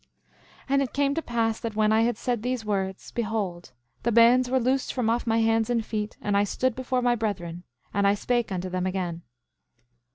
7:18 And it came to pass that when I had said these words, behold, the bands were loosed from off my hands and feet, and I stood before my brethren, and I spake unto them again.